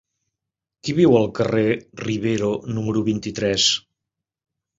Qui viu al carrer de Rivero número vint-i-tres?